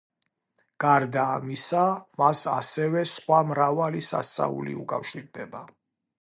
გარდა ამისა, მას ასევე სხვა მრავალი სასწაული უკავშირდება.